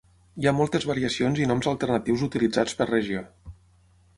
Hi ha moltes variacions i noms alternatius utilitzats per regió.